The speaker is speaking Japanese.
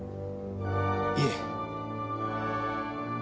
いえ。